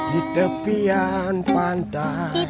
di tepian pantai